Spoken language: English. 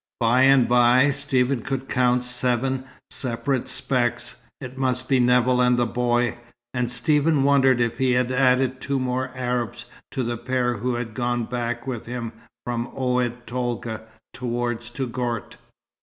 By and by Stephen could count seven separate specks. It must be Nevill and the boy, and Stephen wondered if he had added two more Arabs to the pair who had gone back with him from Oued Tolga, towards Touggourt.